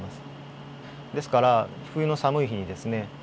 ですから冬の寒い日にですね